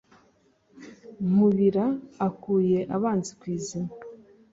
nkubira akuye abanzi kw'izima